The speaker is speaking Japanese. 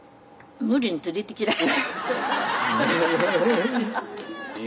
無理に連れてこられた。